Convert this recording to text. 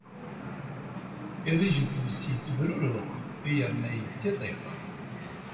Irrij n tmes yettebṛuṛuq u yerna yettiṛṛiq.